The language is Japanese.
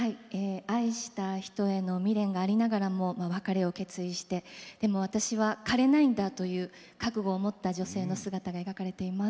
愛した人への未練がありながらも別れを決意してでも私は枯れないんだという覚悟を持った女性の姿が描かれています。